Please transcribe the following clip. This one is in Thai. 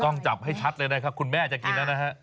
ต้องจับให้ชัดเลยนะครับคุณแม่จะกินแล้วนะฮะ